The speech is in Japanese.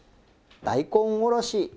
大根おろし。